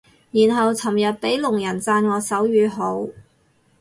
然後尋日俾聾人讚我手語好